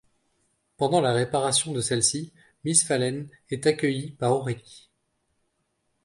Pendant la réparation de celle-ci, Mis Phalène est accueillie par Aurélie.